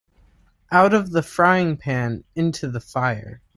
Out of the frying-pan into the fire.